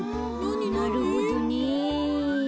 なるほどね。